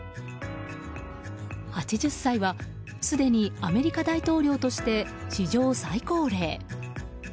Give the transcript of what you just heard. ８０歳はすでにアメリカ大統領として史上最高齢。